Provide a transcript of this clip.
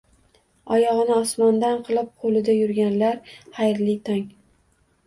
Oyog'ini osmondan qilib, qo'lida yurganlar, xayrli tong!